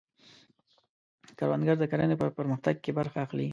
کروندګر د کرنې په پرمختګ کې برخه اخلي